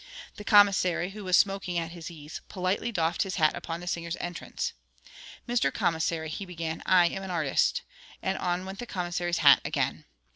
The commissary, who was smoking at his ease, politely doffed his hat upon the singer's entrance. 'Mr. Commissary,' he began, 'I am an artist.' And on went the commissary's hat again.